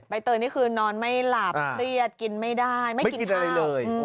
เตยนี่คือนอนไม่หลับเครียดกินไม่ได้ไม่กินข้าวเลย